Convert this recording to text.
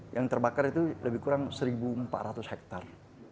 yang terbakar itu lebih kurang seribu empat ratus hektar